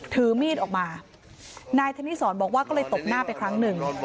ถือมีดออกมานายธนิสรบอกว่าก็เลยตบหน้าไปครั้งหนึ่ง